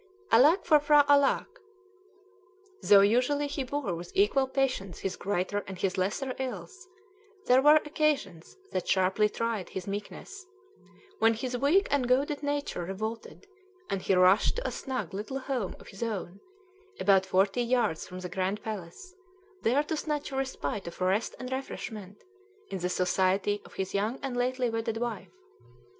Alack for P'hra Alâck! though usually he bore with equal patience his greater and his lesser ills, there were occasions that sharply tried his meekness, when his weak and goaded nature revolted, and he rushed to a snug little home of his own, about forty yards from the Grand Palace, there to snatch a respite of rest and refreshment in the society of his young and lately wedded wife.